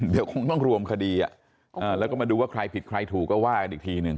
เดี๋ยวคงต้องรวมคดีแล้วก็มาดูว่าใครผิดใครถูกก็ว่ากันอีกทีหนึ่ง